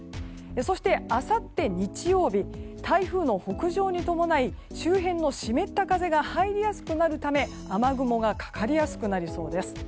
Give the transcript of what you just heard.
そして、あさって日曜日台風の北上に伴い周辺の湿った風が入りやすくなるため雨雲がかかりやすくなりそうです。